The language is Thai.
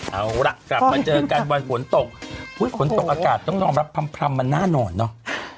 เอาล่ะกลับมาเจอกันวันฝนตกฝนตกอากาศต้องยอมรับพร่ำมันแน่นอนเนอะ